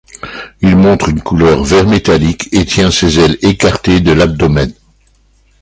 Il montre une couleur vert métallique et tient ses ailes écartées de l'abdomen.